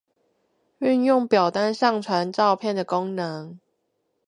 運用表單上傳照片的功能